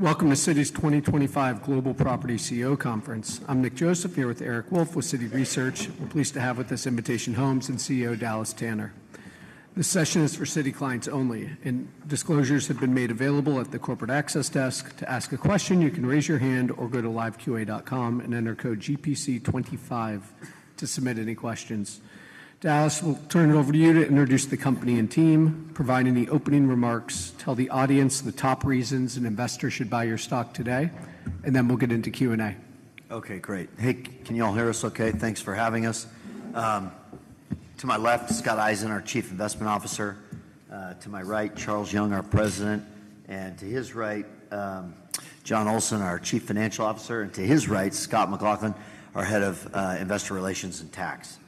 Welcome to Citi 2025 Global Property CEO Conference. I'm Nick Joseph here with Eric Wolfe with Citi Research. We're pleased to have with us Invitation Homes and CEO Dallas Tanner. This session is for Citi clients only, and disclosures have been made available at the corporate access desk. To ask a question, you can raise your hand or go to liveqa.com and enter code GPC25 to submit any questions. Dallas, we'll turn it over to you to introduce the company and team, provide any opening remarks, tell the audience the top reasons an investor should buy your stock today, and then we'll get into Q&A. Okay, great. Hey, can you all hear us okay? Thanks for having us. To my left, Scott Eisen, our Chief Investment Officer. To my right, Charles Young, our President. And to his right, Jon Olsen, our Chief Financial Officer. And to his right, Scott McLaughlin, our Head of Investor Relations & Tax.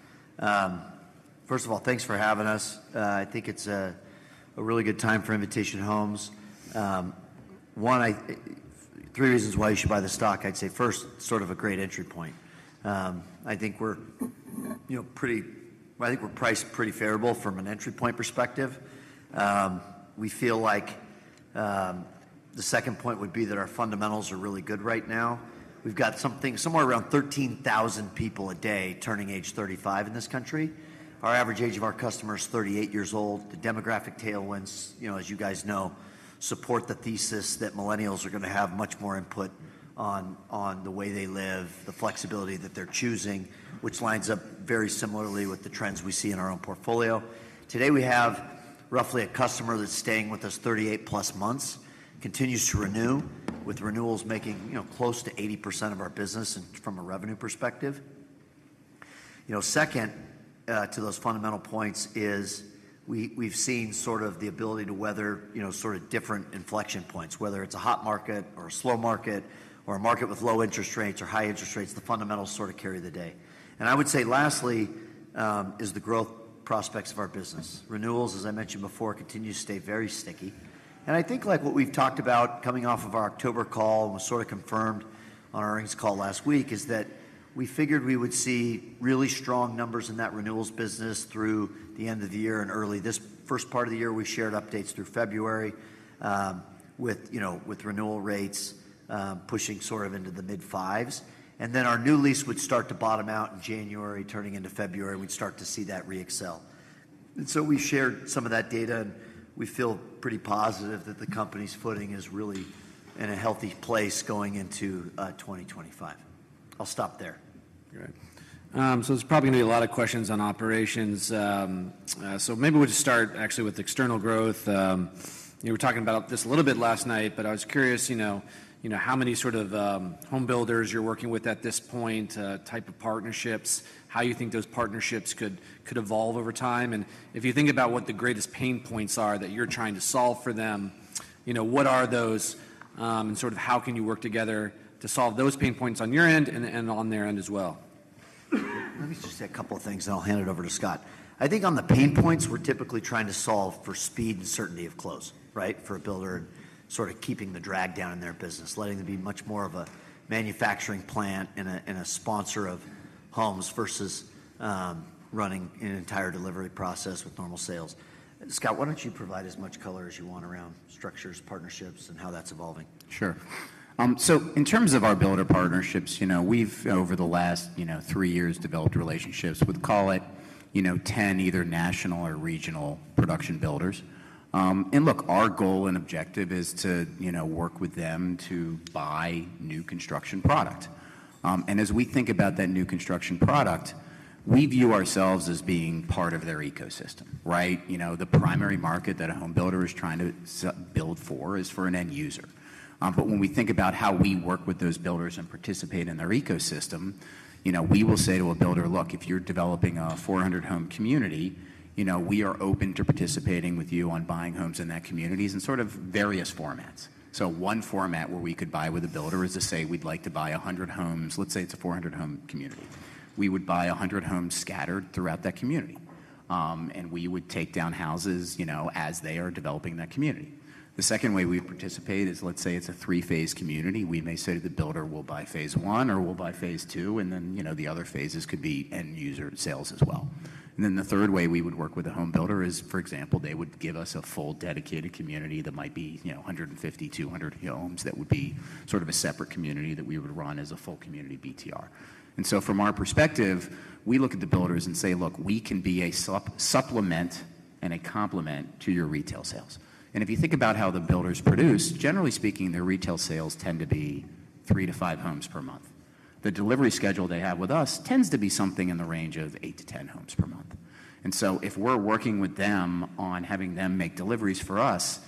First of all, thanks for having us. I think it's a really good time for Invitation Homes. One, three reasons why you should buy the stock. I'd say first, sort of a great entry point. I think we're, you know, pretty—I think we're priced pretty favorable from an entry point perspective. We feel like the second point would be that our fundamentals are really good right now. We've got something somewhere around 13,000 people a day turning age 35 in this country. Our average age of our customers is 38 years old. The demographic tailwinds, you know, as you guys know, support the thesis that millennials are going to have much more input on the way they live, the flexibility that they're choosing, which lines up very similarly with the trends we see in our own portfolio. Today, we have roughly a customer that's staying with us 38+ months, continues to renew, with renewals making, you know, close to 80% of our business from a revenue perspective. You know, second to those fundamental points is we've seen sort of the ability to weather, you know, sort of different inflection points, whether it's a hot market or a slow market or a market with low interest rates or high interest rates. The fundamentals sort of carry the day. And I would say lastly is the growth prospects of our business. Renewals, as I mentioned before, continue to stay very sticky. I think like what we've talked about coming off of our October call and was sort of confirmed on our earnings call last week is that we figured we would see really strong numbers in that renewals business through the end of the year and early this first part of the year. We shared updates through February with, you know, with renewal rates pushing sort of into the mid fives. And then our new lease would start to bottom out in January. Turning into February, we'd start to see that reaccelerate. And so we shared some of that data, and we feel pretty positive that the company's footing is really in a healthy place going into 2025. I'll stop there. All right. So there's probably going to be a lot of questions on operations. So maybe we'll just start actually with external growth. You know, we were talking about this a little bit last night, but I was curious, you know, you know, how many sort of home builders you're working with at this point, type of partnerships, how you think those partnerships could evolve over time. And if you think about what the greatest pain points are that you're trying to solve for them, you know, what are those and sort of how can you work together to solve those pain points on your end and on their end as well? Let me just say a couple of things, and I'll hand it over to Scott. I think on the pain points, we're typically trying to solve for speed and certainty of close, right, for a builder and sort of keeping the drag down in their business, letting them be much more of a manufacturing plant and a sponsor of homes versus running an entire delivery process with normal sales. Scott, why don't you provide as much color as you want around structures, partnerships, and how that's evolving? Sure. So in terms of our builder partnerships, you know, we've over the last, you know, three years developed relationships with, call it, you know, 10 either national or regional production builders. And look, our goal and objective is to, you know, work with them to buy new construction product. And as we think about that new construction product, we view ourselves as being part of their ecosystem, right? You know, the primary market that a home builder is trying to build for is for an end user. But when we think about how we work with those builders and participate in their ecosystem, you know, we will say to a builder, look, if you're developing a 400-home community, you know, we are open to participating with you on buying homes in that community and sort of various formats. So one format where we could buy with a builder is to say we'd like to buy 100 homes. Let's say it's a 400 home community. We would buy 100 homes scattered throughout that community, and we would take down houses, you know, as they are developing that community. The second way we participate is, let's say it's a three-phase community. We may say to the builder, we'll buy phase one or we'll buy phase two. And then, you know, the other phases could be end user sales as well. And then the third way we would work with a home builder is, for example, they would give us a full dedicated community that might be, you know, 150, 200 homes that would be sort of a separate community that we would run as a full community BTR. And so from our perspective, we look at the builders and say, look, we can be a supplement and a complement to your retail sales. And if you think about how the builders produce, generally speaking, their retail sales tend to be three to five homes per month. The delivery schedule they have with us tends to be something in the range of eight to 10 homes per month. And so if we're working with them on having them make deliveries for us,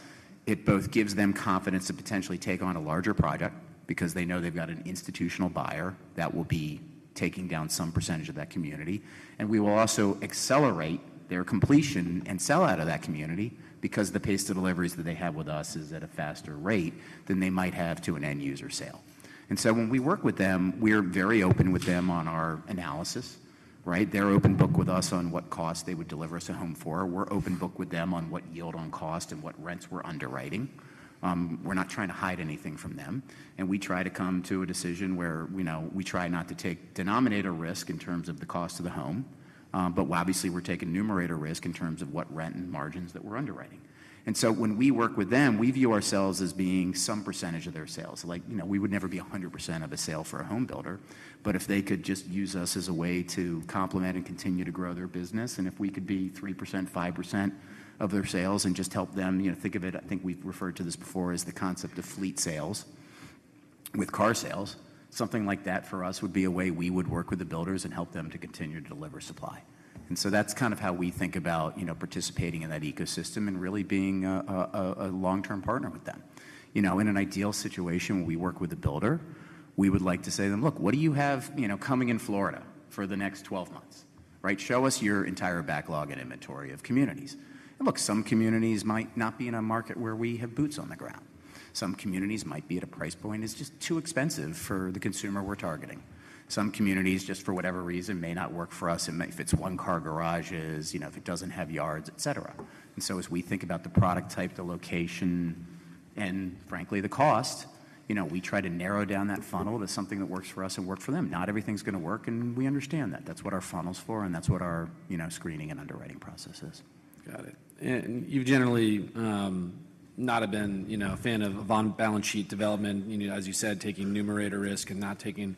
it both gives them confidence to potentially take on a larger project because they know they've got an institutional buyer that will be taking down some percentage of that community. And we will also accelerate their completion and sell out of that community because the pace of deliveries that they have with us is at a faster rate than they might have to an end user sale. And so when we work with them, we are very open with them on our analysis, right? They're open book with us on what cost they would deliver us a home for. We're open book with them on what yield on cost and what rents we're underwriting. We're not trying to hide anything from them. And we try to come to a decision where, you know, we try not to take denominator risk in terms of the cost of the home, but obviously we're taking numerator risk in terms of what rent and margins that we're underwriting. And so when we work with them, we view ourselves as being some percentage of their sales. Like, you know, we would never be 100% of a sale for a home builder, but if they could just use us as a way to complement and continue to grow their business, and if we could be 3%, 5% of their sales and just help them, you know, think of it. I think we've referred to this before as the concept of fleet sales with car sales, something like that for us would be a way we would work with the builders and help them to continue to deliver supply. And so that's kind of how we think about, you know, participating in that ecosystem and really being a long-term partner with them. You know, in an ideal situation, when we work with a builder, we would like to say to them, look, what do you have, you know, coming in Florida for the next 12 months, right? Show us your entire backlog and inventory of communities. And look, some communities might not be in a market where we have boots on the ground. Some communities might be at a price point that's just too expensive for the consumer we're targeting. Some communities, just for whatever reason, may not work for us. And if it's one-car garages, you know, if it doesn't have yards, et cetera. And so as we think about the product type, the location, and frankly the cost, you know, we try to narrow down that funnel to something that works for us and works for them. Not everything's going to work, and we understand that. That's what our funnel's for, and that's what our, you know, screening and underwriting process is. Got it. And you've generally not been, you know, a fan of balance sheet development, you know, as you said, taking numerator risk and not taking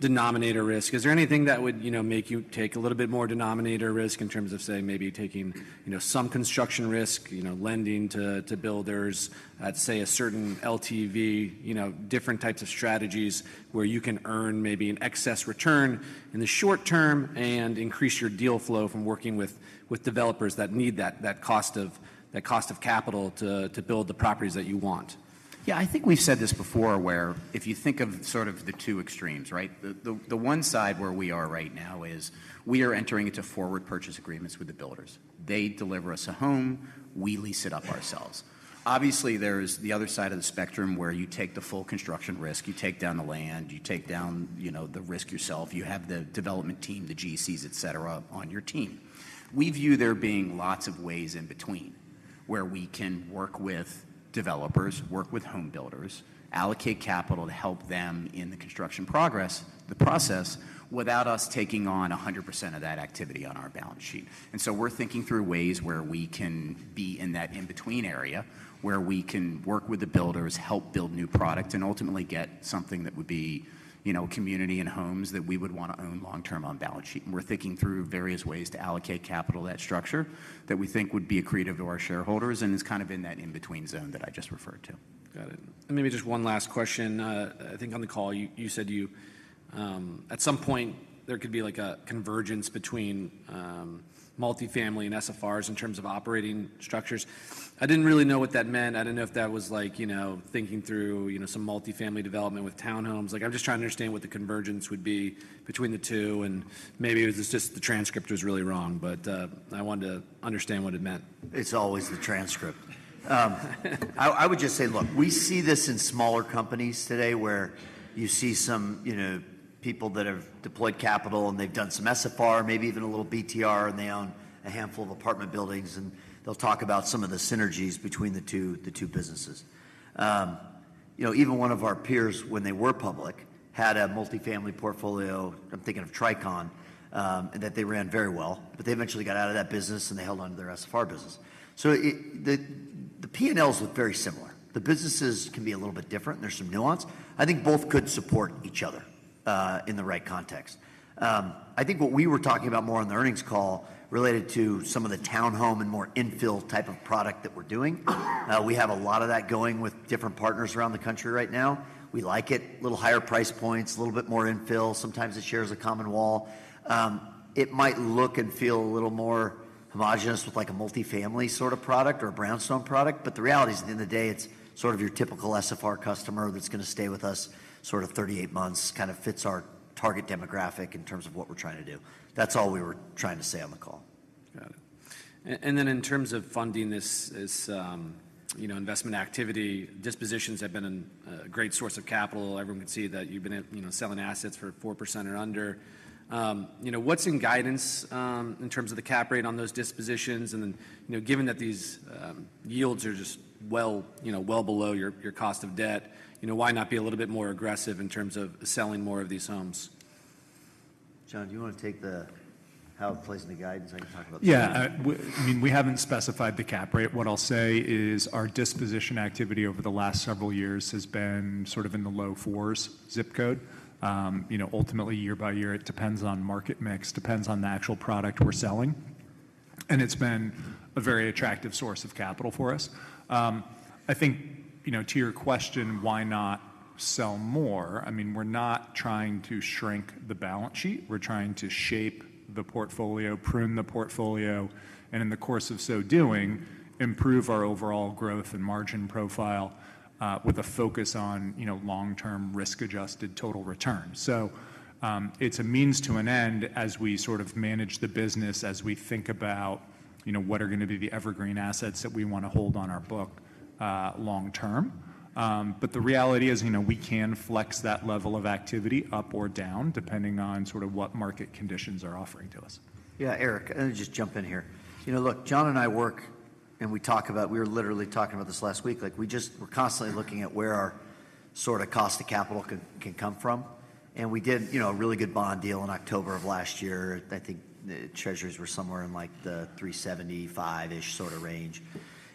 denominator risk. Is there anything that would, you know, make you take a little bit more denominator risk in terms of, say, maybe taking, you know, some construction risk, you know, lending to builders at, say, a certain LTV, you know, different types of strategies where you can earn maybe an excess return in the short term and increase your deal flow from working with developers that need that cost of capital to build the properties that you want? Yeah, I think we've said this before where if you think of sort of the two extremes, right? The one side where we are right now is we are entering into forward purchase agreements with the builders. They deliver us a home. We lease it up ourselves. Obviously, there's the other side of the spectrum where you take the full construction risk. You take down the land. You take down, you know, the risk yourself. You have the development team, the GCs, et cetera, on your team. We view there being lots of ways in between where we can work with developers, work with home builders, allocate capital to help them in the construction progress, the process, without us taking on 100% of that activity on our balance sheet. We're thinking through ways where we can be in that in-between area where we can work with the builders, help build new product, and ultimately get something that would be, you know, community and homes that we would want to own long-term on balance sheet. We're thinking through various ways to allocate capital to that structure that we think would be accretive to our shareholders. It's kind of in that in-between zone that I just referred to. Got it. And maybe just one last question. I think on the call, you said you at some point there could be like a convergence between multifamily and SFRs in terms of operating structures. I didn't really know what that meant. I didn't know if that was like, you know, thinking through, you know, some multifamily development with townhomes. Like, I'm just trying to understand what the convergence would be between the two. And maybe it was just the transcript was really wrong, but I wanted to understand what it meant. It's always the transcript. I would just say, look, we see this in smaller companies today where you see some, you know, people that have deployed capital and they've done some SFR, maybe even a little BTR, and they own a handful of apartment buildings, and they'll talk about some of the synergies between the two businesses. You know, even one of our peers, when they were public, had a multifamily portfolio. I'm thinking of Tricon, and that they ran very well, but they eventually got out of that business and they held on to their SFR business. So the P&Ls look very similar. The businesses can be a little bit different. There's some nuance. I think both could support each other in the right context. I think what we were talking about more on the earnings call related to some of the townhome and more infill type of product that we're doing. We have a lot of that going with different partners around the country right now. We like it. A little higher price points, a little bit more infill. Sometimes it shares a common wall. It might look and feel a little more homogeneous with like a multifamily sort of product or a brownstone product. But the reality is at the end of the day, it's sort of your typical SFR customer that's going to stay with us sort of 38 months, kind of fits our target demographic in terms of what we're trying to do. That's all we were trying to say on the call. Got it. And then in terms of funding this, you know, investment activity, dispositions have been a great source of capital. Everyone can see that you've been, you know, selling assets for 4% or under. You know, what's in guidance in terms of the cap rate on those dispositions? And then, you know, given that these yields are just, well, you know, well below your cost of debt, you know, why not be a little bit more aggressive in terms of selling more of these homes? Jon, do you want to take the lead on placing the guidance? I can talk about that. Yeah. I mean, we haven't specified the cap rate. What I'll say is our disposition activity over the last several years has been sort of in the low fours zip code. You know, ultimately, year by year, it depends on market mix, depends on the actual product we're selling. And it's been a very attractive source of capital for us. I think, you know, to your question, why not sell more? I mean, we're not trying to shrink the balance sheet. We're trying to shape the portfolio, prune the portfolio, and in the course of so doing, improve our overall growth and margin profile with a focus on, you know, long-term risk-adjusted total return. So it's a means to an end as we sort of manage the business, as we think about, you know, what are going to be the evergreen assets that we want to hold on our book long-term. But the reality is, you know, we can flex that level of activity up or down depending on sort of what market conditions are offering to us. Yeah, Eric, let me just jump in here. You know, look, Jon and I work and we talk about, we were literally talking about this last week. Like, we just, we're constantly looking at where our sort of cost of capital can come from. And we did, you know, a really good bond deal in October of last year. I think the Treasuries were somewhere in like the 375-ish sort of range.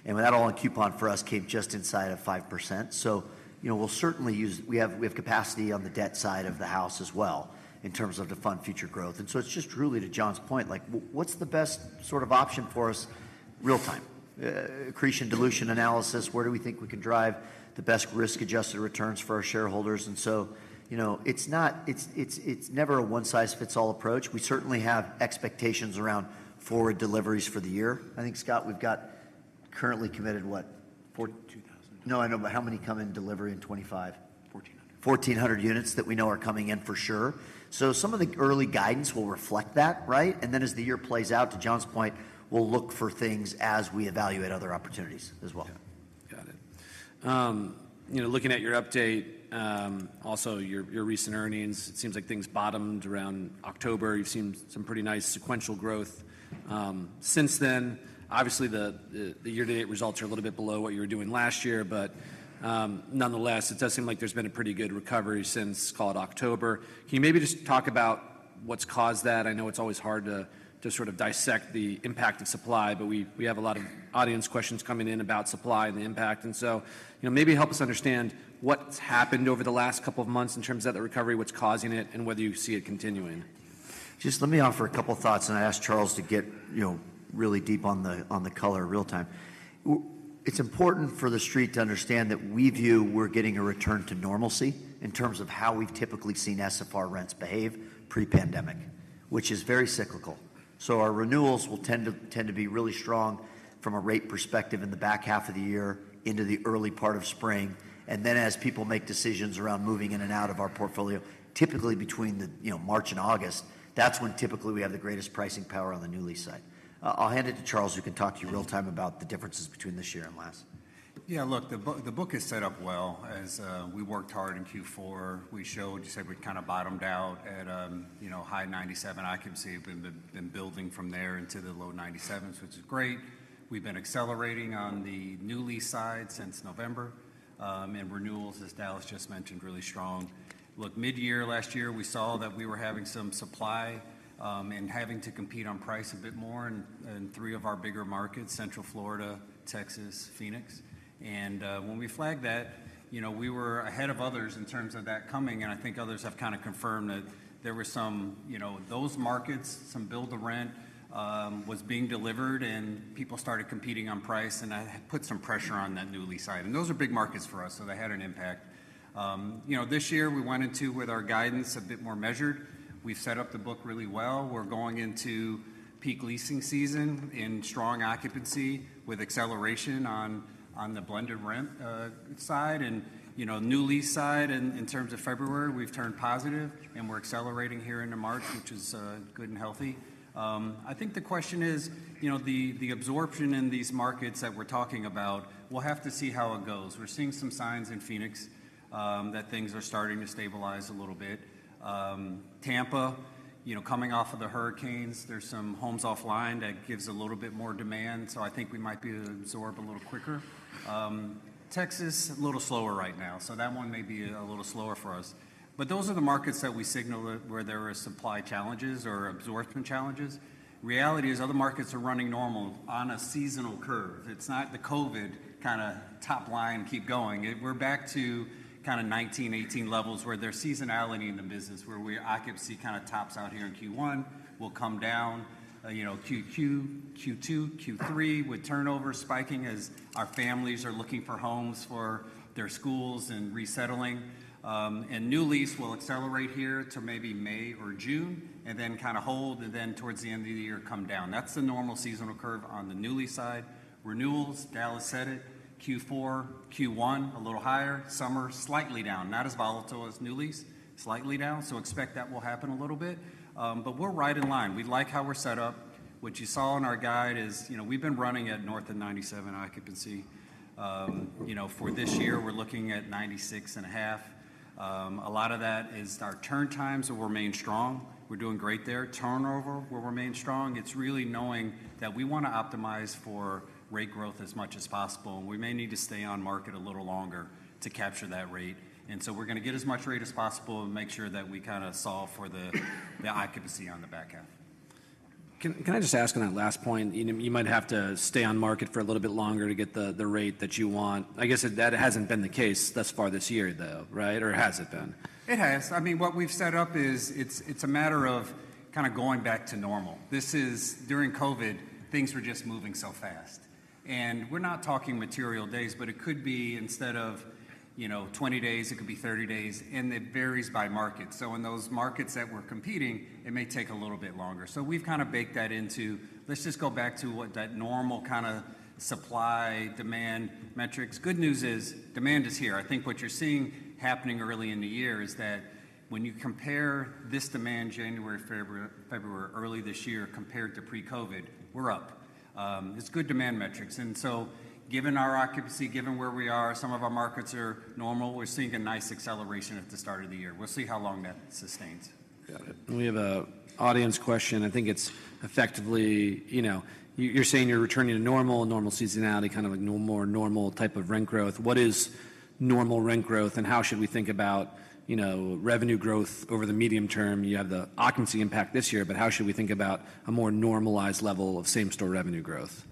And when that all in coupon for us came just inside of 5%. So, you know, we'll certainly use, we have capacity on the debt side of the house as well in terms of to fund future growth. And so it's just really to Jon's point, like, what's the best sort of option for us real-time? Accretion, dilution analysis, where do we think we can drive the best risk-adjusted returns for our shareholders? You know, it's not, it's never a one-size-fits-all approach. We certainly have expectations around forward deliveries for the year. I think, Scott, we've got currently committed what, 2,000? No, I know, but how many come in delivery in 2025? 1,400 units that we know are coming in for sure. So some of the early guidance will reflect that, right? And then as the year plays out, to Jon's point, we'll look for things as we evaluate other opportunities as well. Got it. You know, looking at your update, also your recent earnings, it seems like things bottomed around October. You've seen some pretty nice sequential growth since then. Obviously, the year-to-date results are a little bit below what you were doing last year, but nonetheless, it does seem like there's been a pretty good recovery since call it October. Can you maybe just talk about what's caused that? I know it's always hard to sort of dissect the impact of supply, but we have a lot of audience questions coming in about supply and the impact. And so, you know, maybe help us understand what's happened over the last couple of months in terms of that recovery, what's causing it, and whether you see it continuing. Just let me offer a couple of thoughts, and I asked Charles to get, you know, really deep on the color real-time. It's important for the street to understand that we view we're getting a return to normalcy in terms of how we've typically seen SFR rents behave pre-pandemic, which is very cyclical. So our renewals will tend to be really strong from a rate perspective in the back half of the year into the early part of spring. And then as people make decisions around moving in and out of our portfolio, typically between the, you know, March and August, that's when typically we have the greatest pricing power on the new lease site. I'll hand it to Charles who can talk to you real-time about the differences between this year and last. Yeah, look, the book has set up well as we worked hard in Q4. We showed, you said we kind of bottomed out at, you know, high 97% occupancy. We've been building from there into the low 97%, which is great. We've been accelerating on the new lease side since November, and renewals, as Dallas just mentioned, really strong. Look, mid-year last year, we saw that we were having some supply and having to compete on price a bit more in three of our bigger markets, Central Florida, Texas, Phoenix, and when we flagged that, you know, we were ahead of others in terms of that coming, and I think others have kind of confirmed that there were some, you know, those markets, some build-to-rent was being delivered and people started competing on price and that put some pressure on that new lease side. Those are big markets for us, so they had an impact. You know, this year we went into with our guidance a bit more measured. We've set up the book really well. We're going into peak leasing season in strong occupancy with acceleration on the blended rent side and, you know, new lease side. In terms of February, we've turned positive and we're accelerating here into March, which is good and healthy. I think the question is, you know, the absorption in these markets that we're talking about. We'll have to see how it goes. We're seeing some signs in Phoenix that things are starting to stabilize a little bit. Tampa, you know, coming off of the hurricanes, there's some homes offline that gives a little bit more demand. I think we might be able to absorb a little quicker. Texas, a little slower right now. So that one may be a little slower for us. But those are the markets that we signal where there are supply challenges or absorption challenges. Reality is other markets are running normal on a seasonal curve. It's not the COVID kind of top-line keep going. We're back to kind of 2019, 2018 levels where there's seasonality in the business where our occupancy kind of tops out here in Q1. We'll come down, you know, Q2, Q3 with turnover spiking as our families are looking for homes for their schools and resettling. And new lease will accelerate here to maybe May or June and then kind of hold and then towards the end of the year come down. That's the normal seasonal curve on the new lease side. Renewals, Dallas said it, Q4, Q1 a little higher, summer slightly down, not as volatile as new lease, slightly down. So expect that will happen a little bit. But we're right in line. We like how we're set up. What you saw in our guide is, you know, we've been running at north of 97% occupancy. You know, for this year, we're looking at 96.5%. A lot of that is our turn times will remain strong. We're doing great there. Turnover will remain strong. It's really knowing that we want to optimize for rate growth as much as possible. And we may need to stay on market a little longer to capture that rate. And so we're going to get as much rate as possible and make sure that we kind of solve for the occupancy on the back half. Can I just ask on that last point? You might have to stay on market for a little bit longer to get the rate that you want. I guess that hasn't been the case thus far this year, though, right? Or has it been? It has. I mean, what we've set up is it's a matter of kind of going back to normal. This is during COVID. Things were just moving so fast, and we're not talking material days, but it could be instead of, you know, 20 days. It could be 30 days, and it varies by market, so in those markets that we're competing, it may take a little bit longer, so we've kind of baked that into let's just go back to what that normal kind of supply demand metrics. Good news is demand is here. I think what you're seeing happening early in the year is that when you compare this demand, January, February, early this year compared to pre-COVID, we're up. It's good demand metrics. And so given our occupancy, given where we are, some of our markets are normal, we're seeing a nice acceleration at the start of the year. We'll see how long that sustains. Got it. We have an audience question. I think it's effectively, you know, you're saying you're returning to normal, normal seasonality, kind of like more normal type of rent growth. What is normal rent growth and how should we think about, you know, revenue growth over the medium term? You have the occupancy impact this year, but how should we think about a more normalized level of same-store revenue growth?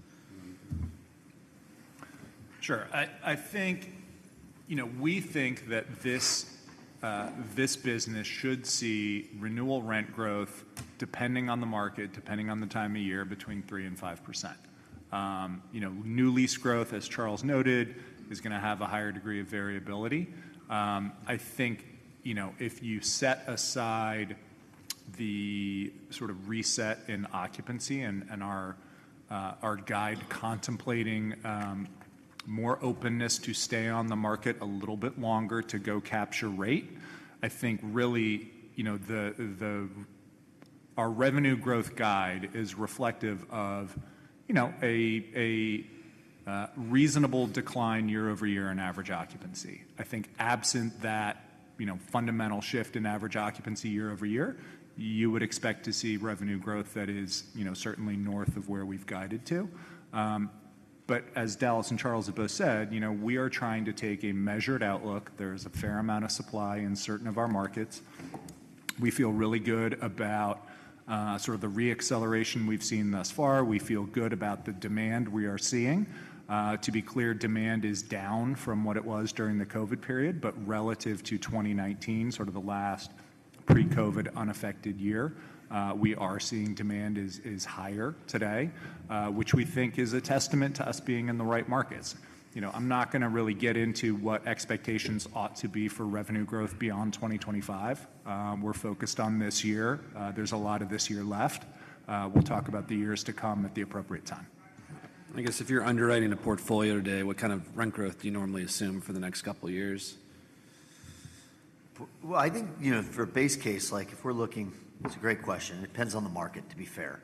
Sure. I think, you know, we think that this business should see renewal rent growth depending on the market, depending on the time of year between 3% and 5%. You know, new lease growth, as Charles noted, is going to have a higher degree of variability. I think, you know, if you set aside the sort of reset in occupancy and our guide contemplating more openness to stay on the market a little bit longer to go capture rate, I think really, you know, our revenue growth guide is reflective of, you know, a reasonable decline year over year in average occupancy. I think absent that, you know, fundamental shift in average occupancy year over year, you would expect to see revenue growth that is, you know, certainly north of where we've guided to. But as Dallas and Charles have both said, you know, we are trying to take a measured outlook. There is a fair amount of supply in certain of our markets. We feel really good about sort of the re-acceleration we've seen thus far. We feel good about the demand we are seeing. To be clear, demand is down from what it was during the COVID period, but relative to 2019, sort of the last pre-COVID unaffected year, we are seeing demand is higher today, which we think is a testament to us being in the right markets. You know, I'm not going to really get into what expectations ought to be for revenue growth beyond 2025. We're focused on this year. There's a lot of this year left. We'll talk about the years to come at the appropriate time. I guess if you're underwriting a portfolio today, what kind of rent growth do you normally assume for the next couple of years? I think, you know, for a base case, like if we're looking, it's a great question. It depends on the market, to be fair.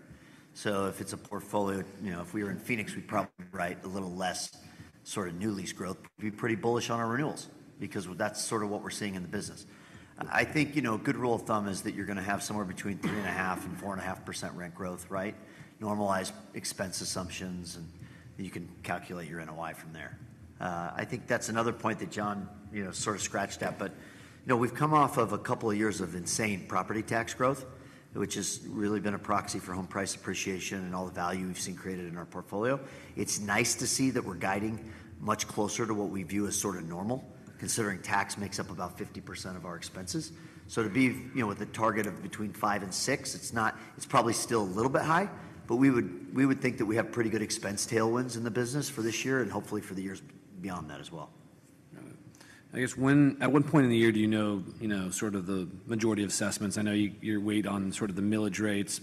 So if it's a portfolio, you know, if we were in Phoenix, we'd probably write a little less sort of new lease growth. We'd be pretty bullish on our renewals because that's sort of what we're seeing in the business. I think, you know, a good rule of thumb is that you're going to have somewhere between 3.5% and 4.5% rent growth, right? Normalized expense assumptions and you can calculate your NOI from there. I think that's another point that Jon, you know, sort of scratched at. But, you know, we've come off of a couple of years of insane property tax growth, which has really been a proxy for home price appreciation and all the value we've seen created in our portfolio. It's nice to see that we're guiding much closer to what we view as sort of normal, considering tax makes up about 50% of our expenses, so to be, you know, with a target of between 5% and 6%, it's not, it's probably still a little bit high, but we would think that we have pretty good expense tailwinds in the business for this year and hopefully for the years beyond that as well. I guess at what point in the year do you know, you know, sort of the majority of assessments? I know you weighed in on sort of the millage rates.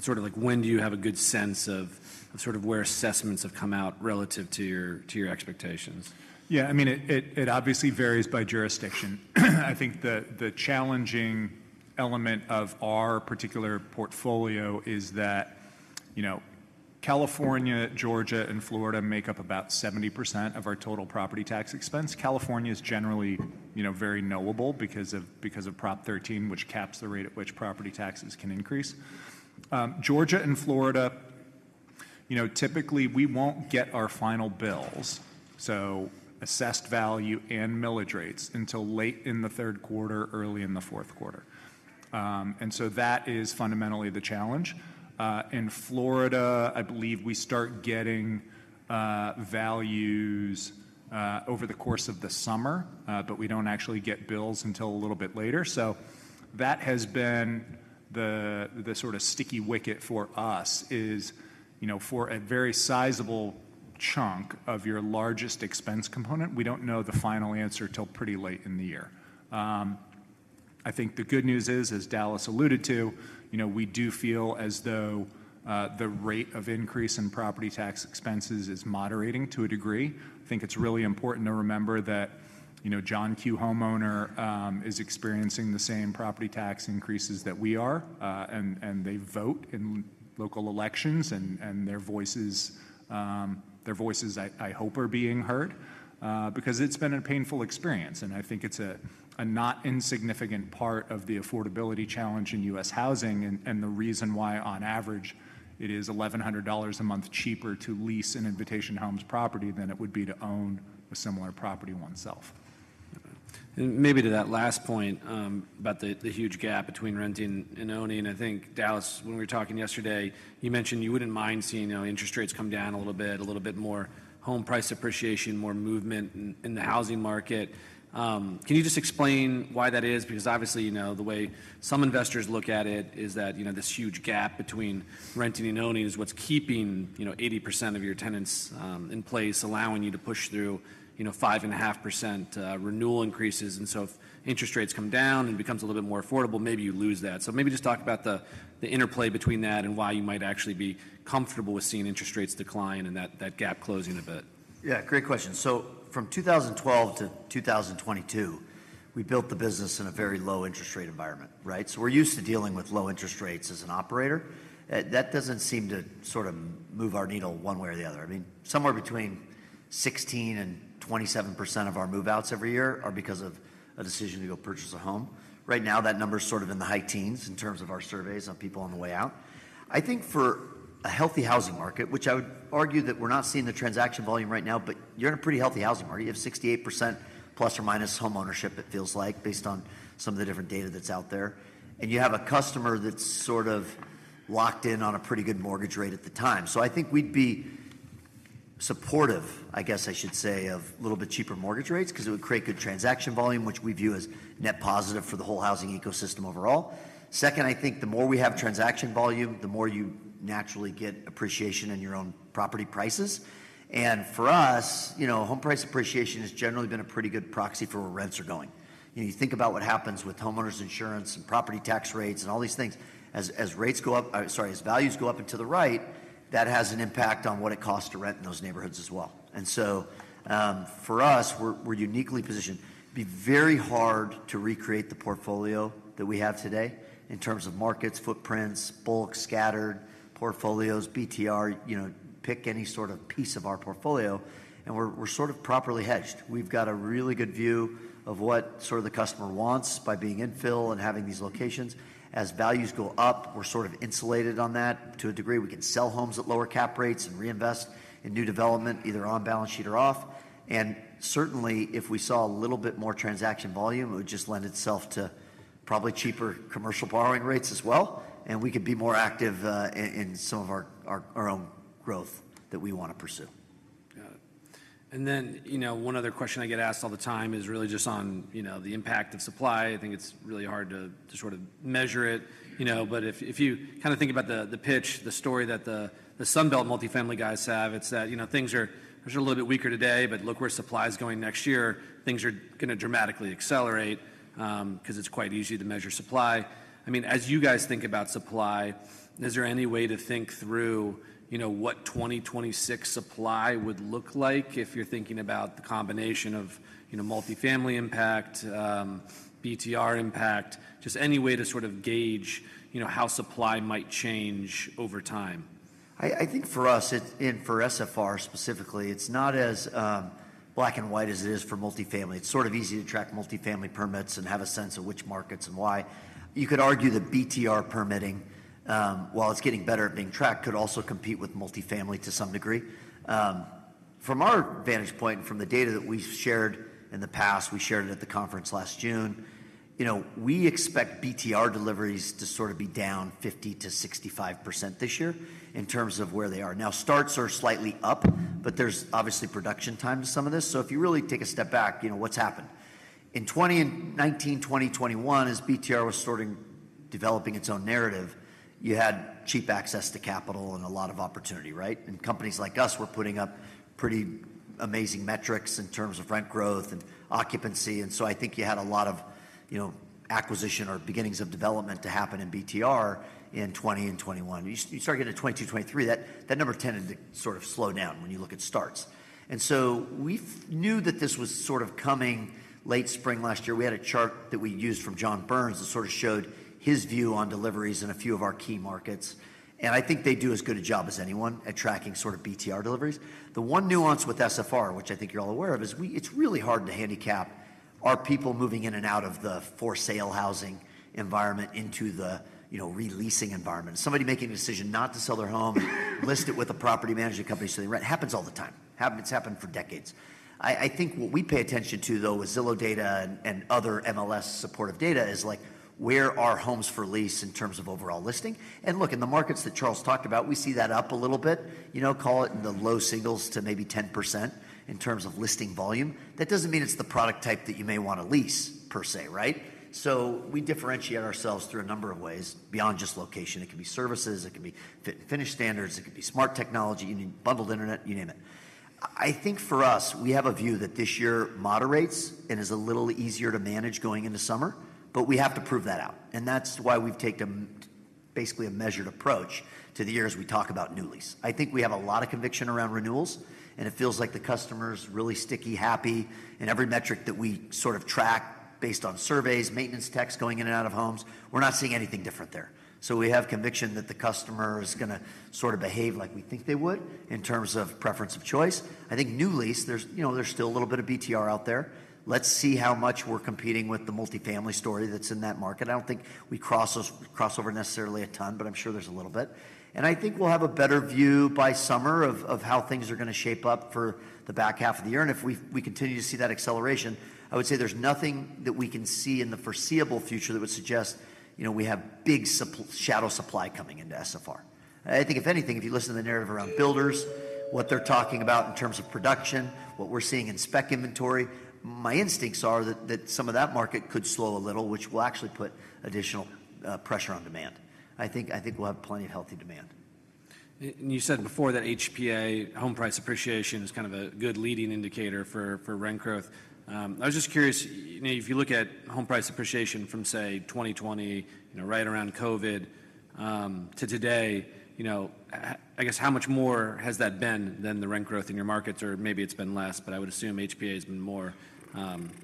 Sort of like when do you have a good sense of sort of where assessments have come out relative to your expectations? Yeah, I mean, it obviously varies by jurisdiction. I think the challenging element of our particular portfolio is that, you know, California, Georgia, and Florida make up about 70% of our total property tax expense. California is generally, you know, very knowable because of Prop 13, which caps the rate at which property taxes can increase. Georgia and Florida, you know, typically we won't get our final bills, so assessed value and millage rates until late in the third quarter, early in the fourth quarter, and so that is fundamentally the challenge. In Florida, I believe we start getting values over the course of the summer, but we don't actually get bills until a little bit later. So that has been the sort of sticky wicket for us is, you know, for a very sizable chunk of your largest expense component, we don't know the final answer until pretty late in the year. I think the good news is, as Dallas alluded to, you know, we do feel as though the rate of increase in property tax expenses is moderating to a degree. I think it's really important to remember that, you know, John Q. Homeowner is experiencing the same property tax increases that we are, and they vote in local elections and their voices, their voices, I hope are being heard because it's been a painful experience. And I think it's a not insignificant part of the affordability challenge in U.S. housing and the reason why on average it is $1,100 a month cheaper to lease an Invitation Homes property than it would be to own a similar property oneself. Maybe to that last point about the huge gap between renting and owning, I think Dallas, when we were talking yesterday, you mentioned you wouldn't mind seeing, you know, interest rates come down a little bit, a little bit more home price appreciation, more movement in the housing market. Can you just explain why that is? Because obviously, you know, the way some investors look at it is that, you know, this huge gap between renting and owning is what's keeping, you know, 80% of your tenants in place, allowing you to push through, you know, 5.5% renewal increases. And so if interest rates come down and becomes a little bit more affordable, maybe you lose that. So maybe just talk about the interplay between that and why you might actually be comfortable with seeing interest rates decline and that gap closing a bit. Yeah, great question. So from 2012-2022, we built the business in a very low interest rate environment, right? So we're used to dealing with low interest rates as an operator. That doesn't seem to sort of move our needle one way or the other. I mean, somewhere between 16% and 27% of our move-outs every year are because of a decision to go purchase a home. Right now, that number is sort of in the high teens in terms of our surveys on people on the way out. I think for a healthy housing market, which I would argue that we're not seeing the transaction volume right now, but you're in a pretty healthy housing market. You have 68% plus or minus homeownership, it feels like, based on some of the different data that's out there. And you have a customer that's sort of locked in on a pretty good mortgage rate at the time. So I think we'd be supportive, I guess I should say, of a little bit cheaper mortgage rates because it would create good transaction volume, which we view as net positive for the whole housing ecosystem overall. Second, I think the more we have transaction volume, the more you naturally get appreciation in your own property prices. And for us, you know, home price appreciation has generally been a pretty good proxy for where rents are going. You know, you think about what happens with homeowners insurance and property tax rates and all these things. As rates go up, sorry, as values go up and to the right, that has an impact on what it costs to rent in those neighborhoods as well. And so for us, we're uniquely positioned. It'd be very hard to recreate the portfolio that we have today in terms of markets, footprints, bulk, scattered portfolios, BTR, you know, pick any sort of piece of our portfolio, and we're sort of properly hedged. We've got a really good view of what sort of the customer wants by being infill and having these locations. As values go up, we're sort of insulated on that to a degree. We can sell homes at lower cap rates and reinvest in new development, either on balance sheet or off, and certainly, if we saw a little bit more transaction volume, it would just lend itself to probably cheaper commercial borrowing rates as well. And we could be more active in some of our own growth that we want to pursue. Got it. And then, you know, one other question I get asked all the time is really just on, you know, the impact of supply. I think it's really hard to sort of measure it, you know, but if you kind of think about the pitch, the story that the Sunbelt multifamily guys have, it's that, you know, things are sort of a little bit weaker today, but look where supply is going next year. Things are going to dramatically accelerate because it's quite easy to measure supply. I mean, as you guys think about supply, is there any way to think through, you know, what 2026 supply would look like if you're thinking about the combination of, you know, multifamily impact, BTR impact, just any way to sort of gauge, you know, how supply might change over time? I think for us and for SFR specifically, it's not as black and white as it is for multifamily. It's sort of easy to track multifamily permits and have a sense of which markets and why. You could argue that BTR permitting, while it's getting better at being tracked, could also compete with multifamily to some degree. From our vantage point and from the data that we've shared in the past, we shared it at the conference last June, you know, we expect BTR deliveries to sort of be down 50%-65% this year in terms of where they are. Now, starts are slightly up, but there's obviously production time to some of this. So if you really take a step back, you know, what's happened? In 2019, 2021, as BTR was sort of developing its own narrative, you had cheap access to capital and a lot of opportunity, right, and companies like us were putting up pretty amazing metrics in terms of rent growth and occupancy, and so I think you had a lot of, you know, acquisition or beginnings of development to happen in BTR in 2020 and 2021. You start getting to 2020, 2023, that number tended to sort of slow down when you look at starts, and so we knew that this was sort of coming late spring last year. We had a chart that we used from John Burns that sort of showed his view on deliveries in a few of our key markets, and I think they do as good a job as anyone at tracking sort of BTR deliveries. The one nuance with SFR, which I think you're all aware of, is it's really hard to handicap our people moving in and out of the for-sale housing environment into the, you know, leasing environment. Somebody making a decision not to sell their home, list it with a property management company so they rent. Happens all the time. It's happened for decades. I think what we pay attention to, though, with Zillow data and other MLS supportive data is like where are homes for lease in terms of overall listing? And look, in the markets that Charles talked about, we see that up a little bit, you know, call it in the low singles to maybe 10% in terms of listing volume. That doesn't mean it's the product type that you may want to lease per se, right? So we differentiate ourselves through a number of ways beyond just location. It can be services, it can be fit and finish standards, it can be smart technology, you need bundled internet, you name it. I think for us, we have a view that this year moderates and is a little easier to manage going into summer, but we have to prove that out, and that's why we've taken basically a measured approach to the year as we talk about new lease. I think we have a lot of conviction around renewals, and it feels like the customer's really sticky, happy, and every metric that we sort of track based on surveys, maintenance techs going in and out of homes, we're not seeing anything different there, so we have conviction that the customer is going to sort of behave like we think they would in terms of preference of choice. I think new lease, you know, there's still a little bit of BTR out there. Let's see how much we're competing with the multifamily story that's in that market. I don't think we cross over necessarily a ton, but I'm sure there's a little bit, and I think we'll have a better view by summer of how things are going to shape up for the back half of the year, and if we continue to see that acceleration, I would say there's nothing that we can see in the foreseeable future that would suggest, you know, we have big shadow supply coming into SFR. I think if anything, if you listen to the narrative around builders, what they're talking about in terms of production, what we're seeing in spec inventory, my instincts are that some of that market could slow a little, which will actually put additional pressure on demand. I think we'll have plenty of healthy demand. And you said before that HPA home price appreciation is kind of a good leading indicator for rent growth. I was just curious, you know, if you look at home price appreciation from, say, 2020, you know, right around COVID to today, you know, I guess how much more has that been than the rent growth in your markets? Or maybe it's been less, but I would assume HPA has been more.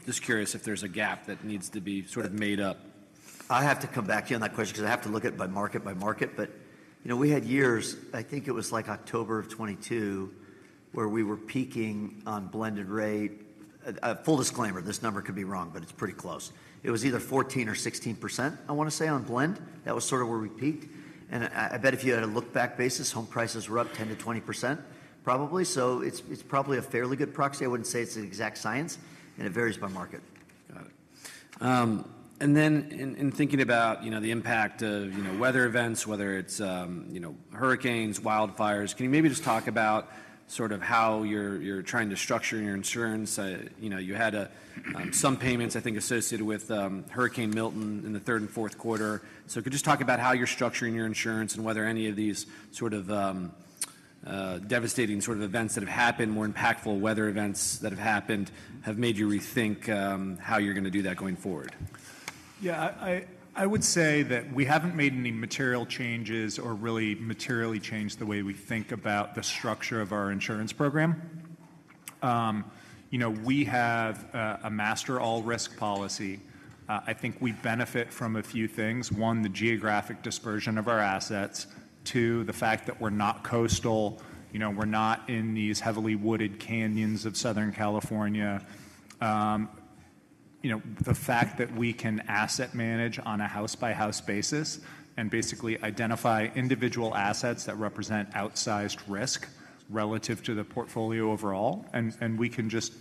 Just curious if there's a gap that needs to be sort of made up. I have to come back to you on that question because I have to look at it by market, by market, but you know, we had years, I think it was like October of 2022, where we were peaking on blended rate. Full disclaimer, this number could be wrong, but it's pretty close. It was either 14% or 16%, I want to say, on blend. That was sort of where we peaked, and I bet if you had a look-back basis, home prices were up 10% to 20% probably. So it's probably a fairly good proxy. I wouldn't say it's the exact science, and it varies by market. Got it. And then in thinking about, you know, the impact of, you know, weather events, whether it's, you know, hurricanes, wildfires, can you maybe just talk about sort of how you're trying to structure your insurance? You know, you had some payments, I think, associated with Hurricane Milton in the third and fourth quarter. So could you just talk about how you're structuring your insurance and whether any of these sort of devastating sort of events that have happened, more impactful weather events that have happened, have made you rethink how you're going to do that going forward? Yeah, I would say that we haven't made any material changes or really materially changed the way we think about the structure of our insurance program. You know, we have a master all-risk policy. I think we benefit from a few things. One, the geographic dispersion of our assets. Two, the fact that we're not coastal. You know, we're not in these heavily wooded canyons of Southern California. You know, the fact that we can asset manage on a house-by-house basis and basically identify individual assets that represent outsized risk relative to the portfolio overall. And we can just,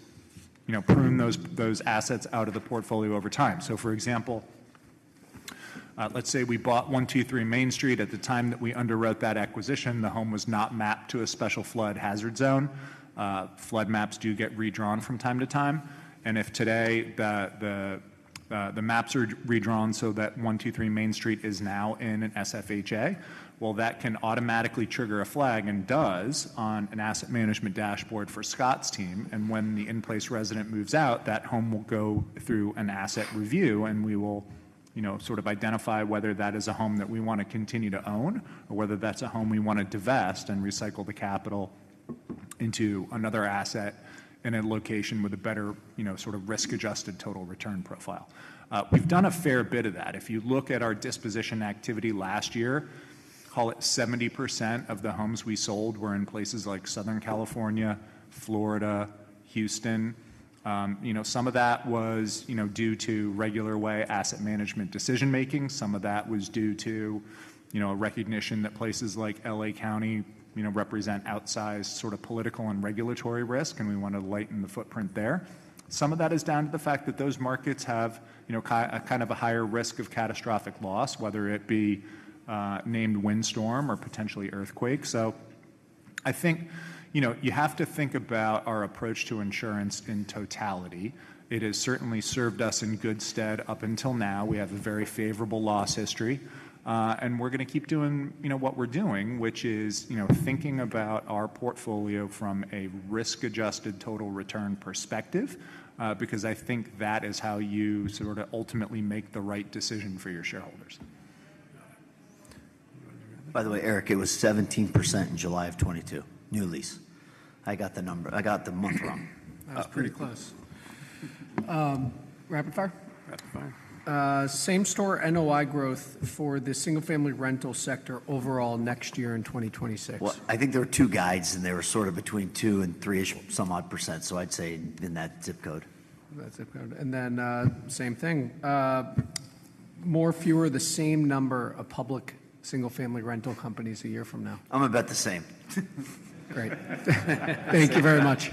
you know, prune those assets out of the portfolio over time. So for example, let's say we bought 123 Main Street at the time that we underwrote that acquisition. The home was not mapped to a special flood hazard zone. Flood maps do get redrawn from time to time. And if today the maps are redrawn so that 123 Main Street is now in an SFHA, well, that can automatically trigger a flag and does on an asset management dashboard for Scott's team. And when the in-place resident moves out, that home will go through an asset review and we will, you know, sort of identify whether that is a home that we want to continue to own or whether that's a home we want to divest and recycle the capital into another asset in a location with a better, you know, sort of risk-adjusted total return profile. We've done a fair bit of that. If you look at our disposition activity last year, call it 70% of the homes we sold were in places like Southern California, Florida, Houston. You know, some of that was, you know, due to regular way asset management decision-making. Some of that was due to, you know, a recognition that places like Los Angeles County, you know, represent outsized sort of political and regulatory risk, and we want to lighten the footprint there. Some of that is down to the fact that those markets have, you know, kind of a higher risk of catastrophic loss, whether it be named windstorm or potentially earthquake. So I think, you know, you have to think about our approach to insurance in totality. It has certainly served us in good stead up until now. We have a very favorable loss history, and we're going to keep doing, you know, what we're doing, which is, you know, thinking about our portfolio from a risk-adjusted total return perspective because I think that is how you sort of ultimately make the right decision for your shareholders. By the way, Eric, it was 17% in July of 2022, new lease. I got the number. I got the month wrong. That was pretty close. Rapid fire. Same-store NOI growth for the single-family rental sector overall next year in 2026. I think there were two guides and they were sort of between 2% and 3%-ish, some odd percent. I'd say in that zip code. That zip code. And then, same thing. More, fewer, the same number of public single-family rental companies a year from now. I'm about the same. Great. Thank you very much.